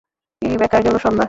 কি বেকার গেলো সন্ধ্যা!